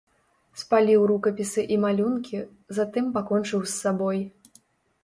Спаліў рукапісы і малюнкі, затым пакончыў з сабой.